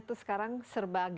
kata kata yang biasa ini pak prof